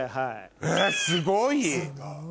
えすごい！